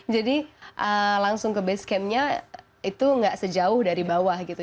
jadi langsung ke base campnya itu gak sejauh dari bawah gitu